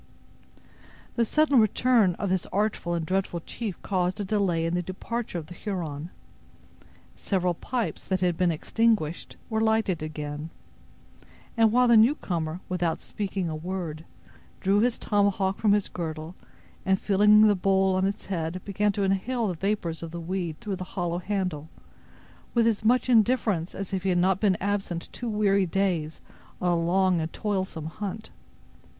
The sudden return of this artful and dreaded chief caused a delay in the departure of the Huron. Several pipes, that had been extinguished, were lighted again; while the newcomer, without speaking a word, drew his tomahawk from his girdle, and filling the bowl on its head began to inhale the vapors of the weed through the hollow handle, with as much indifference as if he had not been absent two weary days on a long and toilsome hunt.